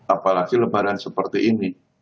apalagi lebaran seperti ini